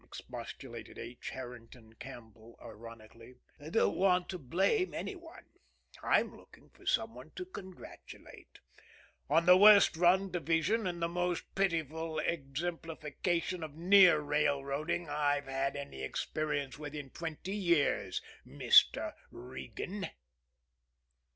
expostulated H. Herrington Campbell ironically. "I don't want to blame any one; I'm looking for some one to congratulate on the worst run division and the most pitiful exemplification of near railroading I've had any experience with in twenty years Mr. Regan."